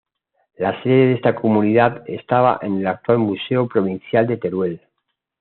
La sede de esta Comunidad estaba en el actual Museo Provincial de Teruel.